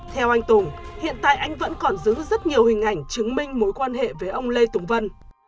theo anh tùng hiện tại anh vẫn còn giữ rất nhiều hình ảnh chứng minh mối quan hệ với ông lê tùng vân